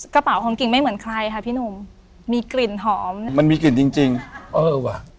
กระเป๋าของกิ่งไม่เหมือนใครค่ะพี่หนุ่มมีกลิ่นหอมมันมีกลิ่นจริงจริงเออว่ะ